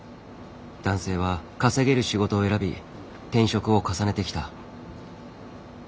男性は稼げる仕事を選び転職を重ねてきた。